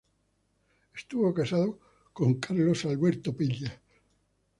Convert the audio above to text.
Estuvo casada con Carlos Alberto Peña.